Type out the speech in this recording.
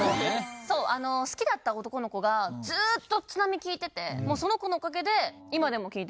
好きだった男の子がずっと『ＴＳＵＮＡＭＩ』聴いててもうその子のおかげで今でも聴いてます。